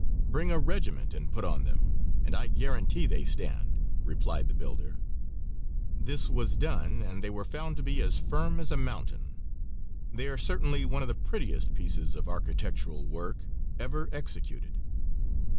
"Bring a regiment and put on them, and I guarantee they stand," replied the builder. This was done, and they were found to be as firm as a mountain. They are certainly one of the prettiest pieces of architectural work ever executed.